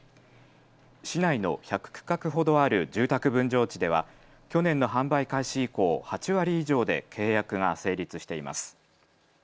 市内の１００区画ほどある住宅分譲地では去年の販売開始以降、８割以上で契約が成立しています。